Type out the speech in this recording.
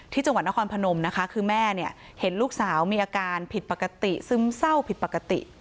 ที่จังหวัดนครพนมนะคะคือแม่เนี่ยเห็นลูกสาวมีอาการผิดปกติซึมเศร้าผิดปกติ